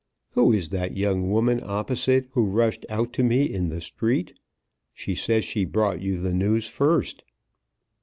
Who is that young woman opposite who rushed out to me in the street? She says she brought you the news first."